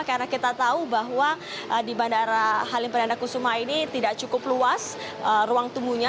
karena kita tahu bahwa di bandara halim perdana kusuma ini tidak cukup luas ruang tumbuhnya